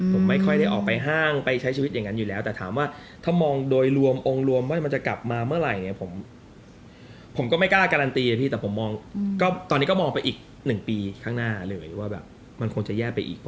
ผมไม่ค่อยได้ออกไปห้างไปใช้ชีวิตอย่างนั้นอยู่แล้วแต่ถามว่าถ้ามองโดยรวมองค์รวมว่ามันจะกลับมาเมื่อไหร่เนี่ยผมก็ไม่กล้าการันตีนะพี่แต่ผมมองก็ตอนนี้ก็มองไปอีก๑ปีข้างหน้าเลยว่าแบบมันคงจะแย่ไปอีก